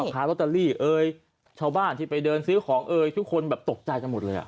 ค้าลอตเตอรี่เอ่ยชาวบ้านที่ไปเดินซื้อของเอ่ยทุกคนแบบตกใจกันหมดเลยอ่ะ